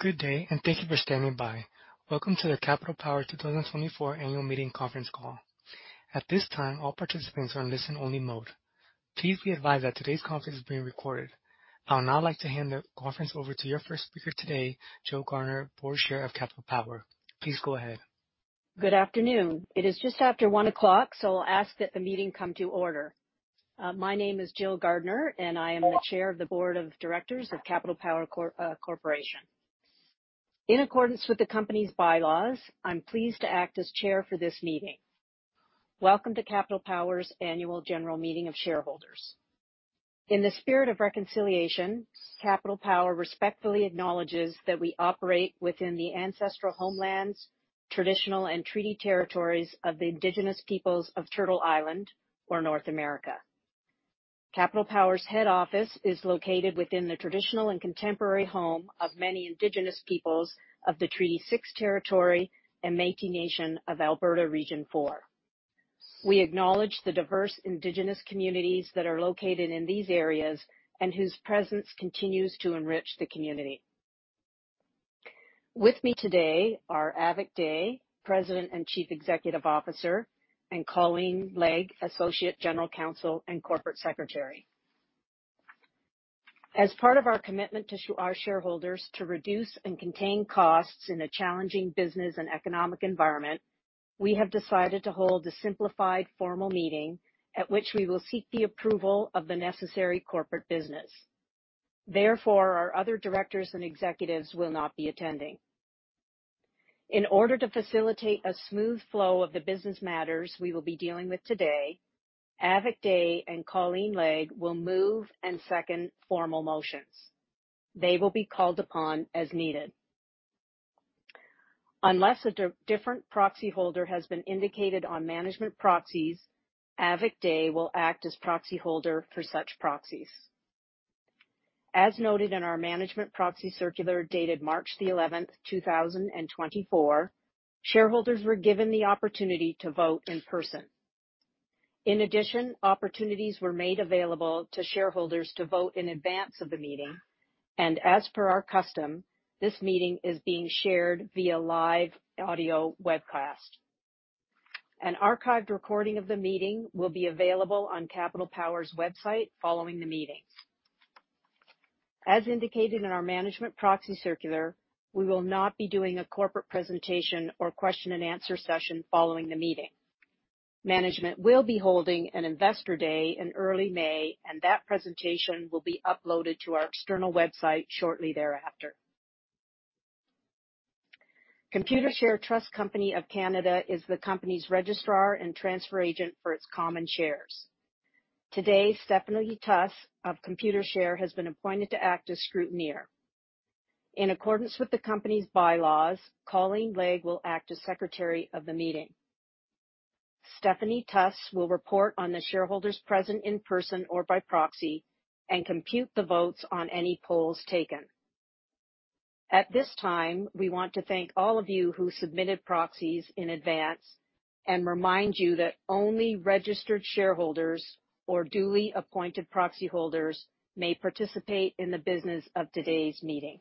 Good day, and thank you for standing by. Welcome to the Capital Power 2024 Annual Meeting conference call. At this time, all participants are in listen-only mode. Please be advised that today's conference is being recorded. I would now like to hand the conference over to your first speaker today, Jill Gardiner, Board Chair of Capital Power. Please go ahead. Good afternoon. It is just after 1:00 p.m., so I'll ask that the meeting come to order. My name is Jill Gardiner, and I am the chair of the board of directors of Capital Power Corporation. In accordance with the company's bylaws, I'm pleased to act as chair for this meeting. Welcome to Capital Power's Annual General Meeting of Shareholders. In the spirit of reconciliation, Capital Power respectfully acknowledges that we operate within the ancestral homelands, traditional, and treaty territories of the Indigenous peoples of Turtle Island or North America. Capital Power's head office is located within the traditional and contemporary home of many Indigenous peoples of the Treaty Six Territory and Métis Nation of Alberta Region 4. We acknowledge the diverse Indigenous communities that are located in these areas and whose presence continues to enrich the community. With me today are Avik Dey, President and Chief Executive Officer, and Colleen Legge, Associate General Counsel and Corporate Secretary. As part of our commitment to our shareholders to reduce and contain costs in a challenging business and economic environment, we have decided to hold a simplified formal meeting at which we will seek the approval of the necessary corporate business. Therefore, our other directors and executives will not be attending. In order to facilitate a smooth flow of the business matters we will be dealing with today, Avik Dey and Colleen Legge will move and second formal motions. They will be called upon as needed. Unless a different proxyholder has been indicated on management proxies, Avik Dey will act as proxyholder for such proxies. As noted in our Management Proxy Circular, dated March 11, 2024, shareholders were given the opportunity to vote in person. In addition, opportunities were made available to shareholders to vote in advance of the meeting, and as per our custom, this meeting is being shared via live audio webcast. An archived recording of the meeting will be available on Capital Power's website following the meeting. As indicated in our Management Proxy Circular, we will not be doing a corporate presentation or question-and-answer session following the meeting. Management will be holding an Investor Day in early May, and that presentation will be uploaded to our external website shortly thereafter. Computershare Trust Company of Canada is the company's registrar and transfer agent for its common shares. Today, Stephanie Tuss of Computershare has been appointed to act as scrutineer. In accordance with the company's bylaws, Colleen Legge will act as secretary of the meeting. Stephanie Tuss will report on the shareholders present in person or by proxy and compute the votes on any polls taken. At this time, we want to thank all of you who submitted proxies in advance and remind you that only registered shareholders or duly appointed proxyholders may participate in the business of today's meeting.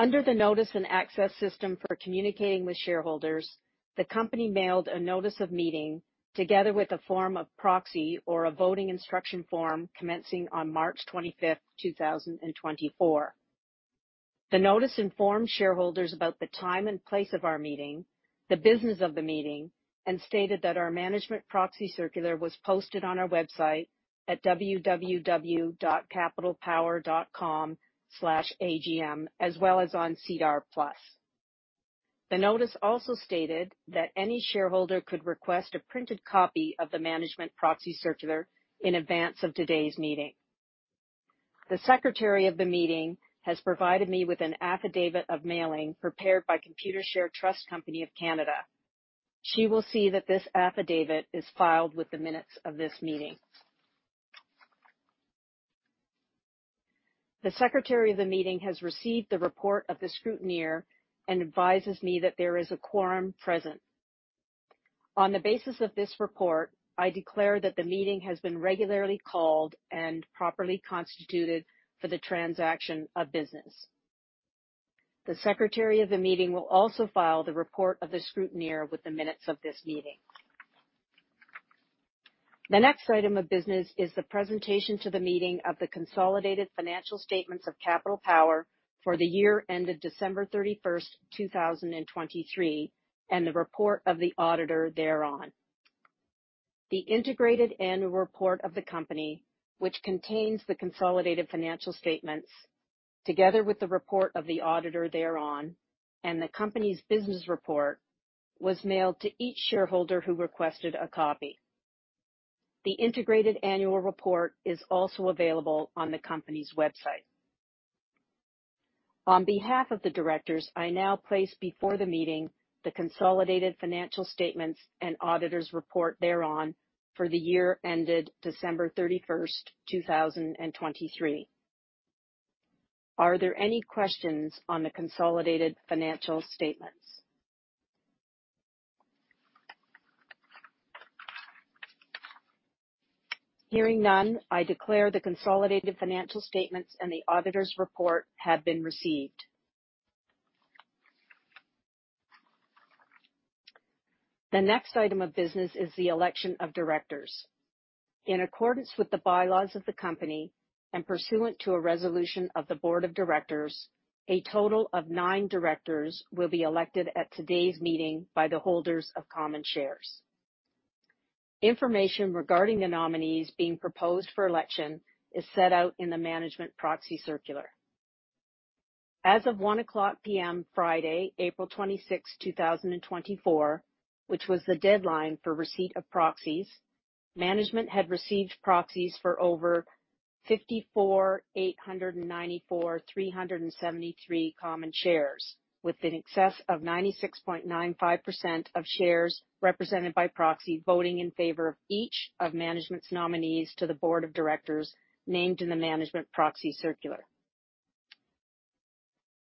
Under the Notice and Access system for communicating with shareholders, the company mailed a notice of meeting, together with a form of proxy or a voting instruction form commencing on March 25th, 2024. The notice informed shareholders about the time and place of our meeting, the business of the meeting, and stated that our Management Proxy Circular was posted on our website at www.capitalpower.com/agm, as well as on SEDAR+. The notice also stated that any shareholder could request a printed copy of the Management Proxy Circular in advance of today's meeting. The secretary of the meeting has provided me with an affidavit of mailing prepared by Computershare Trust Company of Canada. She will see that this affidavit is filed with the minutes of this meeting. The secretary of the meeting has received the report of the scrutineer and advises me that there is a quorum present. On the basis of this report, I declare that the meeting has been regularly called and properly constituted for the transaction of business. The secretary of the meeting will also file the report of the scrutineer with the minutes of this meeting. The next item of business is the presentation to the meeting of the consolidated financial statements of Capital Power for the year ended December 31, 2023, and the report of the auditor thereon. The Integrated Annual Report of the company, which contains the consolidated financial statements, together with the report of the auditor thereon and the company's business report, was mailed to each shareholder who requested a copy. The Integrated Annual Report is also available on the company's website. On behalf of the directors, I now place before the meeting the consolidated financial statements and auditor's report thereon for the year ended December 31, 2023. Are there any questions on the consolidated financial statements? Hearing none, I declare the consolidated financial statements and the auditor's report have been received. The next item of business is the election of directors. In accordance with the bylaws of the company and pursuant to a resolution of the board of directors, a total of nine directors will be elected at today's meeting by the holders of common shares. Information regarding the nominees being proposed for election is set out in the Management Proxy Circular. As of 1:00 P.M., Friday, April 26th, 2024, which was the deadline for receipt of proxies, management had received proxies for over 54,894,373 common shares, with an excess of 96.95% of shares represented by proxy voting in favor of each of management's nominees to the board of directors named in the Management Proxy Circular.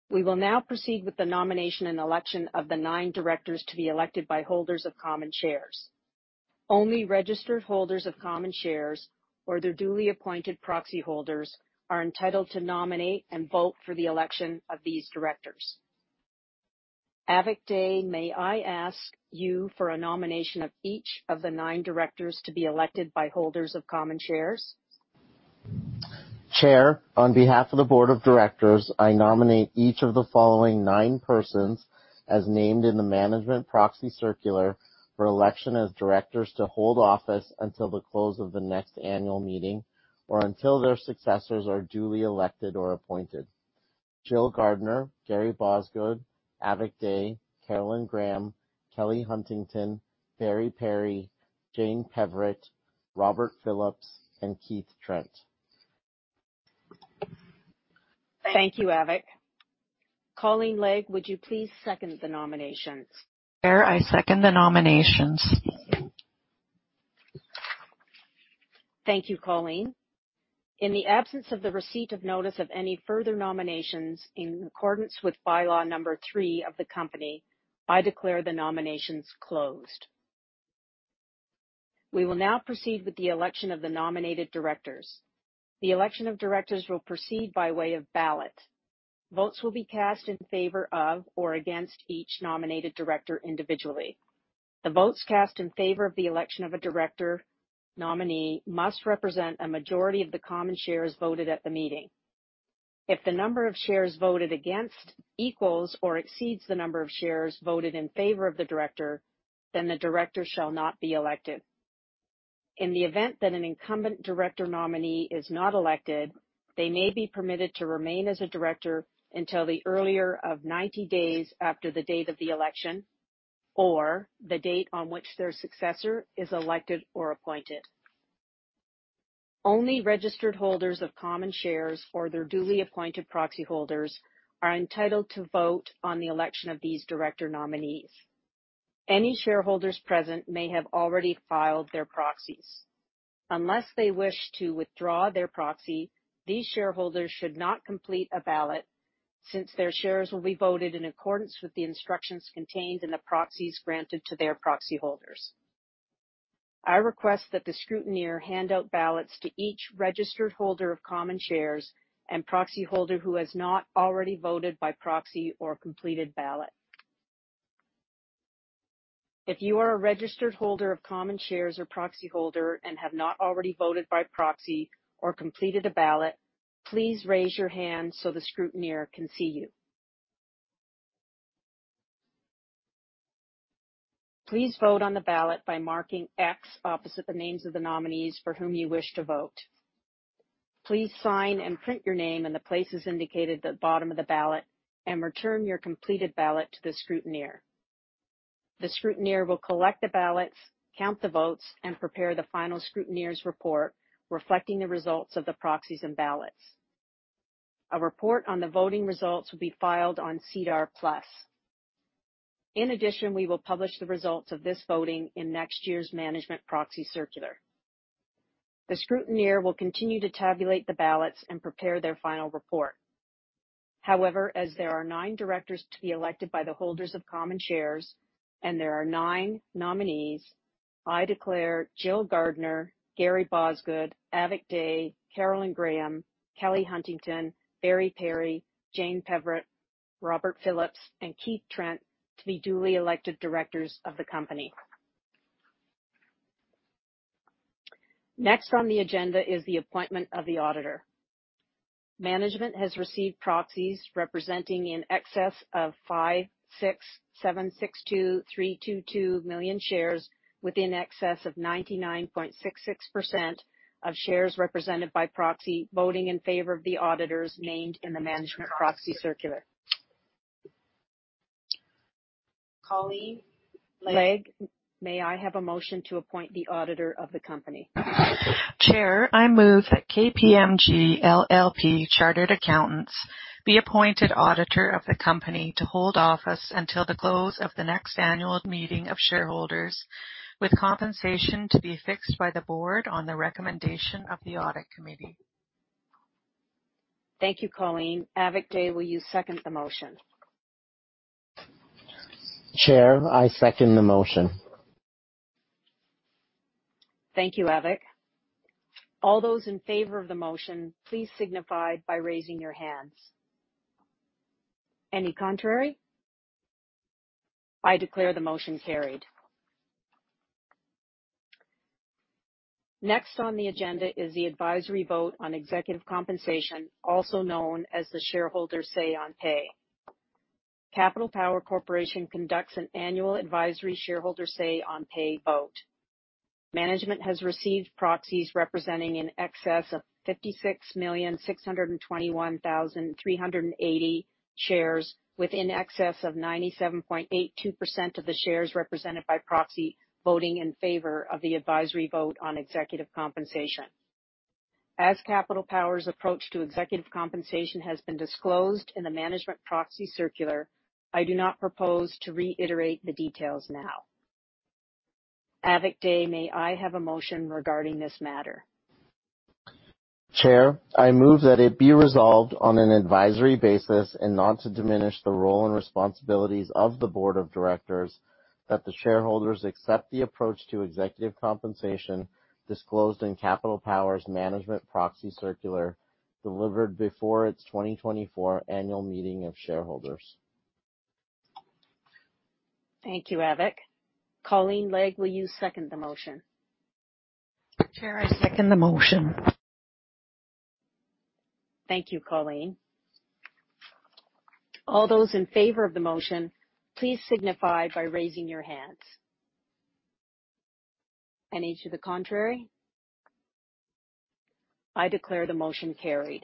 We will now proceed with the nomination and election of the nine directors to be elected by holders of common shares. Only registered holders of common shares or their duly appointed proxy holders are entitled to nominate and vote for the election of these directors. Avik Dey, may I ask you for a nomination of each of the nine directors to be elected by holders of common shares? Chair, on behalf of the board of directors, I nominate each of the following nine persons, as named in the Management Proxy Circular, for election as directors to hold office until the close of the next annual meeting or until their successors are duly elected or appointed: Jill Gardiner, Gary Bosgoed, Avik Dey, Carolyn Graham, Kelly Huntington, Barry Perry, Jane Peverett, Robert Phillips, and Keith Trent. Thank you, Avik. Colleen Legge, would you please second the nominations? Chair, I second the nominations. Thank you, Colleen. In the absence of the receipt of notice of any further nominations, in accordance with bylaw number three of the company, I declare the nominations closed. We will now proceed with the election of the nominated directors. The election of directors will proceed by way of ballot. Votes will be cast in favor of or against each nominated director individually. The votes cast in favor of the election of a director nominee must represent a majority of the common shares voted at the meeting. If the number of shares voted against equals or exceeds the number of shares voted in favor of the director, then the director shall not be elected. In the event that an incumbent director nominee is not elected, they may be permitted to remain as a director until the earlier of 90 days after the date of the election, or the date on which their successor is elected or appointed. Only registered holders of common shares or their duly appointed proxy holders are entitled to vote on the election of these director nominees. Any shareholders present may have already filed their proxies. Unless they wish to withdraw their proxy, these shareholders should not complete a ballot, since their shares will be voted in accordance with the instructions contained in the proxies granted to their proxy holders. I request that the scrutineer hand out ballots to each registered holder of common shares and proxy holder who has not already voted by proxy or completed ballot. If you are a registered holder of common shares or proxy holder and have not already voted by proxy or completed a ballot, please raise your hand so the scrutineer can see you. Please vote on the ballot by marking X opposite the names of the nominees for whom you wish to vote. Please sign and print your name in the places indicated at the bottom of the ballot, and return your completed ballot to the scrutineer. The scrutineer will collect the ballots, count the votes, and prepare the final scrutineer's report, reflecting the results of the proxies and ballots. A report on the voting results will be filed on SEDAR+. In addition, we will publish the results of this voting in next year's Management Proxy Circular. The scrutineer will continue to tabulate the ballots and prepare their final report. However, as there are nine directors to be elected by the holders of common shares, and there are nine nominees, I declare Jill Gardiner, Gary Bosgoed, Avik Dey, Carolyn Graham, Kelly Huntington, Barry Perry, Jane Peverett, Robert Phillips, and Keith Trent to be duly elected directors of the company. Next on the agenda is the appointment of the auditor. Management has received proxies representing in excess of 567,623,222 shares with in excess of 99.66% of shares represented by proxy, voting in favor of the auditors named in the Management Proxy Circular. Colleen Legge, may I have a motion to appoint the auditor of the company? Chair, I move that KPMG LLP Chartered Accountants be appointed Auditor of the Company to hold office until the close of the next annual meeting of shareholders, with compensation to be fixed by the Board on the recommendation of the Audit Committee. Thank you, Colleen. Avik Dey, will you second the motion? Chair, I second the motion. Thank you, Avik. All those in favor of the motion, please signify by raising your hands. Any contrary? I declare the motion carried. Next on the agenda is the advisory vote on executive compensation, also known as the shareholder Say on Pay. Capital Power Corporation conducts an annual advisory shareholder Say on Pay vote. Management has received proxies representing in excess of 56,621,380 shares, with in excess of 97.82% of the shares represented by proxy voting in favor of the advisory vote on executive compensation. As Capital Power's approach to executive compensation has been disclosed in the Management Proxy Circular, I do not propose to reiterate the details now. Avik Dey, may I have a motion regarding this matter? Chair, I move that it be resolved on an advisory basis and not to diminish the role and responsibilities of the board of directors, that the shareholders accept the approach to executive compensation disclosed in Capital Power's Management Proxy Circular, delivered before its 2024 annual meeting of shareholders. Thank you, Avik. Colleen Legge, will you second the motion? Chair, I second the motion. Thank you, Colleen. All those in favor of the motion, please signify by raising your hands. Any to the contrary? I declare the motion carried.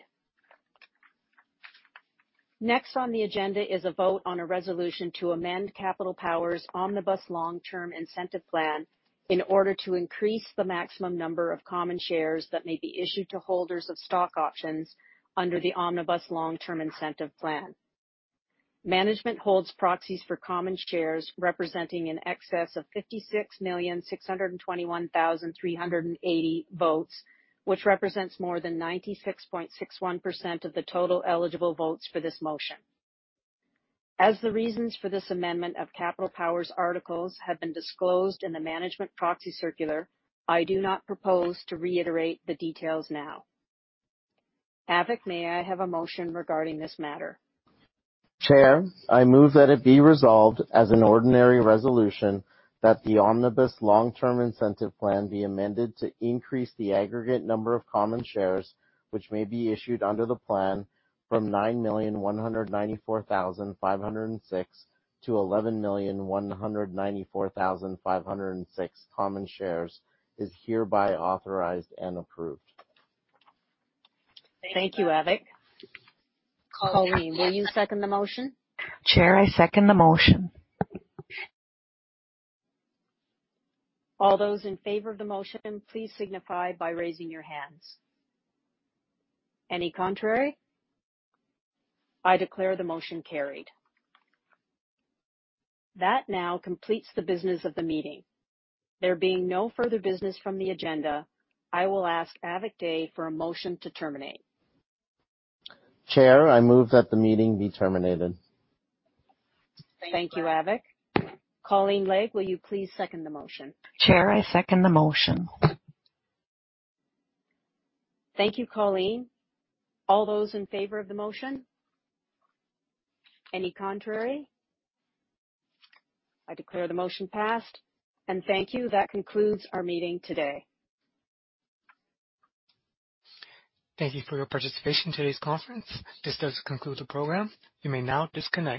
Next on the agenda is a vote on a resolution to amend Capital Power's Omnibus Long-Term Incentive Plan in order to increase the maximum number of common shares that may be issued to holders of stock options under the Omnibus Long-Term Incentive Plan. Management holds proxies for common shares, representing in excess of 56,621,380 votes, which represents more than 96.61% of the total eligible votes for this motion. As the reasons for this amendment of Capital Power's articles have been disclosed in the Management Proxy Circular, I do not propose to reiterate the details now. Avik, may I have a motion regarding this matter? Chair, I move that it be resolved as an ordinary resolution that the Omnibus Long-Term Incentive Plan be amended to increase the aggregate number of common shares, which may be issued under the plan from 9,194,506 to 11,194,506 common shares, is hereby authorized and approved. Thank you, Avik. Colleen, will you second the motion? Chair, I second the motion. All those in favor of the motion, please signify by raising your hands. Any contrary? I declare the motion carried. That now completes the business of the meeting. There being no further business from the agenda, I will ask Avik Dey for a motion to terminate. Chair, I move that the meeting be terminated. Thank you, Avik. Colleen Legge, will you please second the motion? Chair, I second the motion. Thank you, Colleen. All those in favor of the motion? Any contrary? I declare the motion passed, and thank you. That concludes our meeting today. Thank you for your participation in today's conference. This does conclude the program. You may now disconnect.